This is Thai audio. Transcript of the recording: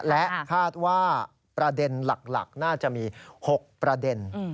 และคาดว่าประเด็นหลักน่าจะมี๖ประเด็น